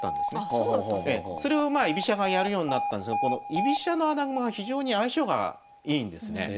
あそうだったんですか。それをまあ居飛車がやるようになったんですがこの居飛車の穴熊が非常に相性がいいんですね。